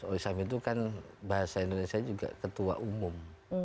oisam itu kan bahasa indonesia juga ketua umum